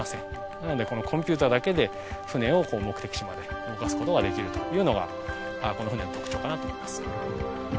なのでこのコンピューターだけで船を目的地まで動かすことができるというのがこの船の特徴かなと思います。